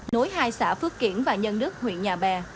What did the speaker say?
nối hai xã phước kiển và nhân đức huyện nhà bè